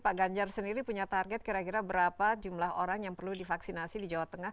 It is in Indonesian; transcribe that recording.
pak ganjar sendiri punya target kira kira berapa jumlah orang yang perlu divaksinasi di jawa tengah